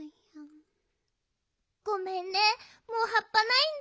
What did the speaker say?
ごめんねもうはっぱないんだよ。